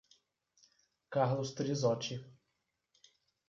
Carlos Trizoti